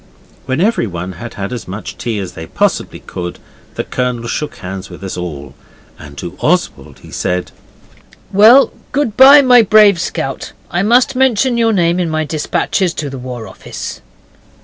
When everyone had had as much tea as they possibly could, the Colonel shook hands with us all, and to Oswald he said 'Well, good bye, my brave scout. I must mention your name in my dispatches to the War Office.